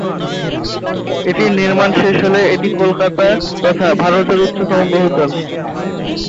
এটির নির্মাণ শেষ হলে এটি কলকাতা তথা ভারতের উচ্চতম বহুতল।